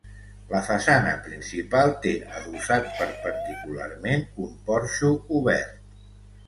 La façana principal té adossat perpendicularment un porxo obert.